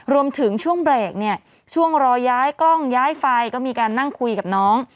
รวมถึงช่วงเบรกเนี่ยช่วงรอย้ายกล้องย้ายไฟก็มีการนั่งคุยกับน้อง